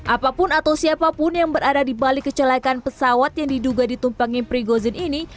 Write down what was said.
apapun atau siapapun yang berada di balik kecelakaan pesawat yang diduga ditumpangi prigozin ini